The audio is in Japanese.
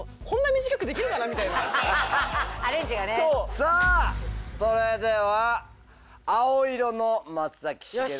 さあそれでは青色の松崎しげるさん